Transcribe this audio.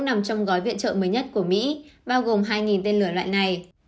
nằm trong gói viện trợ mới nhất của mỹ bao gồm hai tên lửa loại này